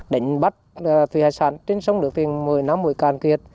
định bắt thủy hải sản trên sông được tiền một mươi năm mới can quyết